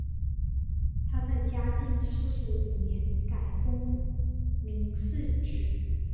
他在嘉靖四十五年改封岷世子。